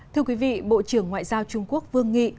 thưa quý vị bộ trưởng ngoại giao trung quốc vương nghị